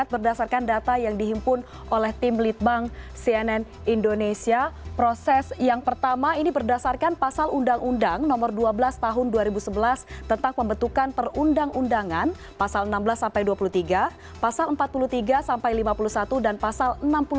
tentang pembentukan perundang undangan pasal enam belas dua puluh tiga pasal empat puluh tiga lima puluh satu dan pasal enam puluh lima tujuh puluh empat